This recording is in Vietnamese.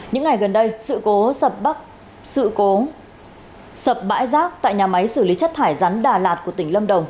những ngày gần đây sự cố sập bãi rác tại nhà máy xử lý chất thải rắn đà lạt của tỉnh lâm đồng